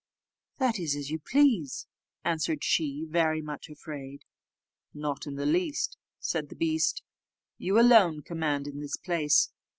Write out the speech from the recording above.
"That is as you please," answered she, very much afraid. "Not in the least," said the beast; "you alone command in this place.